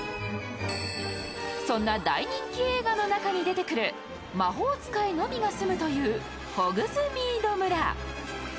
そんな大人気映画の中に出てくる魔法使いのみが住むというホグズミード村。